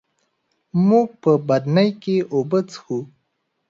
موږ په بدنۍ کي اوبه څښو.